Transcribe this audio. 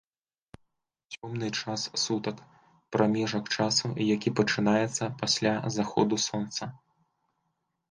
Цёмны час сутак — прамежак часу, які пачынаецца пасля заходу сонца